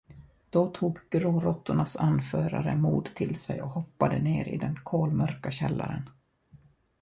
Då tog gråråttornas anförare mod till sig och hoppade ner i den kolmörka källaren.